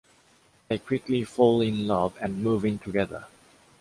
They quickly fall in love and move in together.